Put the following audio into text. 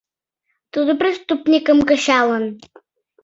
— Тудо преступникым кычалын.